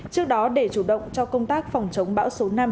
trước đó để chủ động cho công tác phòng chống bão số năm